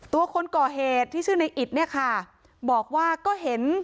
ตัวคนก่อเหตุที่ชื่อหนึ่งอิฐบอกว่าก็เห็น